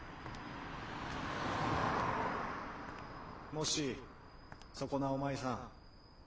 ・もしそこなおまいさん。